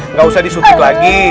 nggak usah disupik lagi